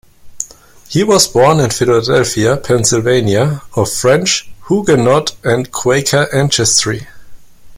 He was born in Philadelphia, Pennsylvania, of French Huguenot and Quaker ancestry.